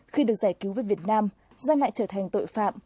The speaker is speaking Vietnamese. khi được giải cứu với việt nam ra lại trở thành tội phạm